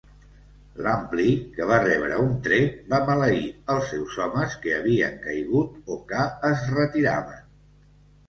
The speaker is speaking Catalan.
Lampley, que va rebre un tret, va maleir els seus homes que havien caigut o que es retiraven.